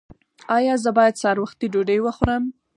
ایا زه باید سهار وختي ډوډۍ وخورم؟